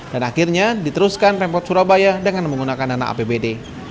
dan akhirnya diteruskan rempot surabaya dengan menggunakan dana apbd